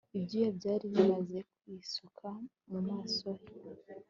ibyuya byari bimaze kwisuka mu maso he